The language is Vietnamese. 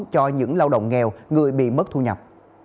cho những lao động nghèo người bị mất thu nhập